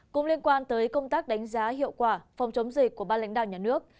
cũng liên quan tới công tác đánh giá hiệu quả phòng chống dịch của ba lãnh đạo nhà nước